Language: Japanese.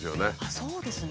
そうですね。